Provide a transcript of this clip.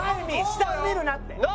下を見るなって！